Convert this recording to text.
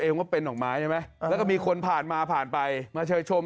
ว่าเป็นดอกไม้ใช่ไหมแล้วก็มีคนผ่านมาผ่านไปมาเชยชม